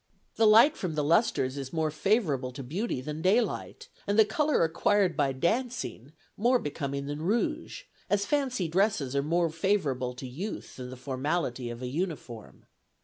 The light from the lustres is more favorable to beauty than daylight, and the color acquired by dancing, more becoming than rouge, as fancy dresses are more favorable to youth than the formality of a uniform.